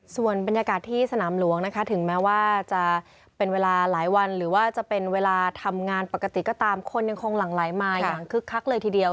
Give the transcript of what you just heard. ส่วนบรรยากาศที่สนามหลวงนะคะถึงแม้ว่าจะเป็นเวลาหลายวันหรือว่าจะเป็นเวลาทำงานปกติก็ตามคนยังคงหลั่งไหลมาอย่างคึกคักเลยทีเดียว